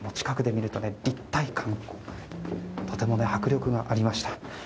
近くで見ると立体感とても迫力がありました。